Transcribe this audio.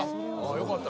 よかった。